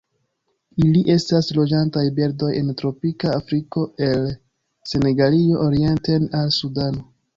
Ili estas loĝantaj birdoj en tropika Afriko el Senegalio orienten al Sudano.